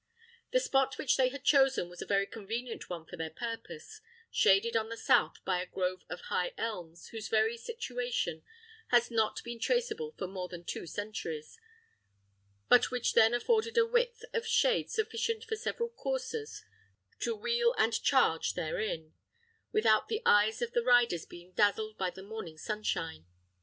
The spot which they had chosen was a very convenient one for their purpose: shaded on the south by a grove of high elms, whose very situation has not been traceable for more than two centuries, but which then afforded a width of shade sufficient for several coursers to wheel and charge therein, without the eyes of the riders being dazzled by the morning sunshine.